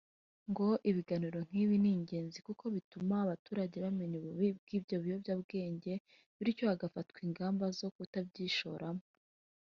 ngo ibiganiro nk’ibi ni ingenzi kuko bituma abaturage bamenya ububi bw’ibiyobyabwenge bityo hagafatwa ingamba zo kutabyishoramo